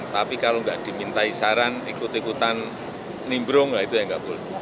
tapi kalau nggak dimintai saran ikut ikutan nimbrong lah itu yang nggak boleh